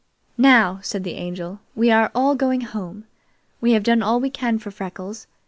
"Now," said the Angel, "we are all going home. We have done all we can for Freckles.